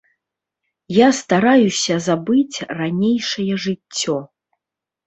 Я стараюся забыць ранейшае жыццё.